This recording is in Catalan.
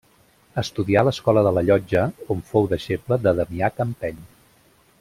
Estudià a l'Escola de la Llotja, on fou deixeble de Damià Campeny.